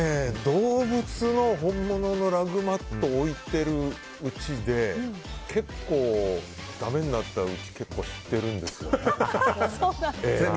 動物の本物のラグマットを置いている家で結構だめになった家を知ってるんですよ。